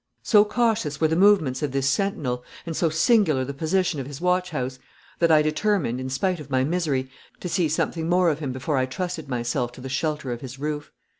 So cautious were the movements of this sentinel, and so singular the position of his watch house, that I determined, in spite of my misery, to see something more of him before I trusted myself to the shelter of his roof.